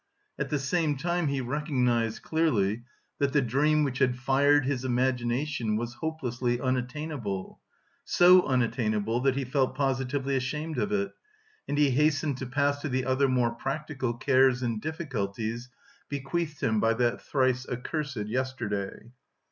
At the same time he recognised clearly that the dream which had fired his imagination was hopelessly unattainable so unattainable that he felt positively ashamed of it, and he hastened to pass to the other more practical cares and difficulties bequeathed him by that "thrice accursed yesterday."